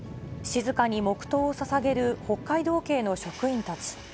静かに黙とうをささげる北海道警の職員たち。